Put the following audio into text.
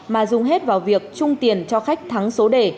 mà dùng hết vào việc chung tiền cho khách thắng số đề